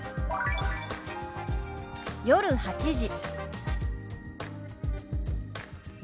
「夜８時」。